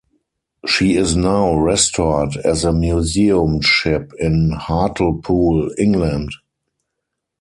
She is now restored as a museum ship in Hartlepool, England.